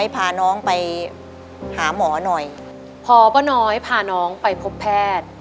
พ่อป่าน้อยพาน้องไปพบแพทย์